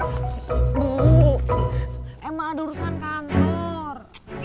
hmm emang ada urusan kantor